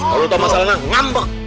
kalau tau masalahnya ngambek